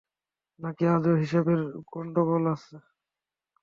নাকি আজও হিসাবের গণ্ডগোল আছে?